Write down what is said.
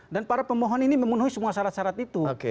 dan para pemohon ini memenuhi semua syarat syarat itu